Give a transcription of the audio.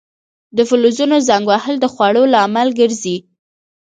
د فلزونو زنګ وهل د خوړلو لامل ګرځي.